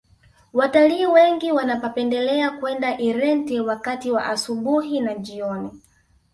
watalii wengi wanapendelea kwenda irente wakati wa asubuhi na jioni